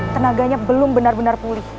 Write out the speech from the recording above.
tenaganya belum benar benar pulih